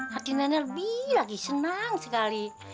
hati nenek lebih lagi senang sekali